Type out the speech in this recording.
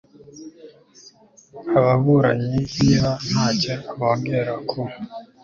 ababuranyi niba ntacyo bongera ku